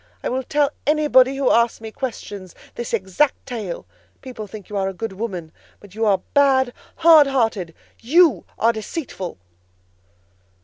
I will tell anybody who asks me questions, this exact tale. People think you a good woman, but you are bad, hard hearted. You are deceitful!"